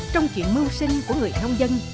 trong chuyện mưu sinh của người thông dân